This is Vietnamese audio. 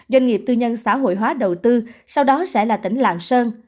doanh nghiệp tư nhân xã hội hóa đầu tư sau đó sẽ là tỉnh lạng sơn